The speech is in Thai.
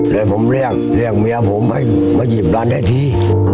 เลยผมเรียกเรียกเมียผมให้มาหยิบร้านได้ที